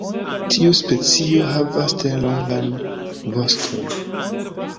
Tiu specio havas tre longan voston.